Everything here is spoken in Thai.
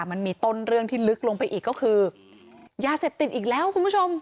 มันมีต้นเรื่องที่ลึกลงไปอีกก็คือยาเสพติดอีกแล้วคุณผู้ชม